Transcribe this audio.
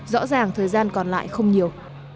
rõ ràng thời gian còn lại không nhiều